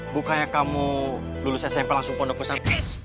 bukannya kamu lulus smp langsung pondok pesantren